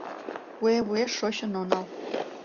Куэ вуеш шочын онал